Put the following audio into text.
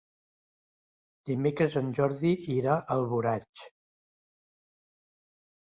Dimecres en Jordi irà a Alboraig.